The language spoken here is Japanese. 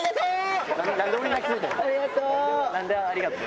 お、ありがとう。